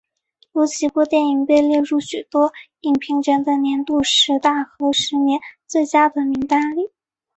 有几部电影被列入许多影评人的年度十大和十年最佳的名单里。